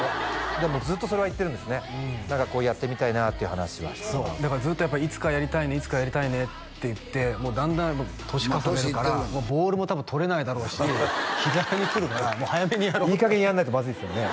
でもずっとそれは言ってるんですねやってみたいなっていう話はだからずっといつかやりたいねいつかやりたいねって言ってもうだんだん年重ねるからボールも多分とれないだろうしひざにくるから早めにやろうっていい加減やらないとまずいっすよね